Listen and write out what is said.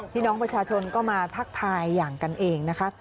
พี่น้องประชาชนก็มาทักทายอย่างกันเองนะคะ